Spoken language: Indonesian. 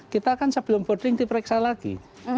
kita kan sebelum boarding diperiksa lagi